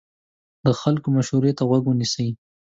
د خلکو مشورې ته غوږ ونیسئ.